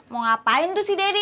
mau ngapain tuh si deddy